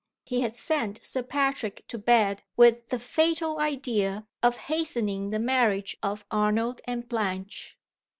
He had sent Sir Patrick to bed with the fatal idea of hastening the marriage of Arnold and Blanche.